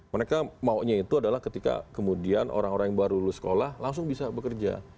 mereka maunya itu adalah ketika kemudian orang orang yang baru lulus sekolah langsung bisa bekerja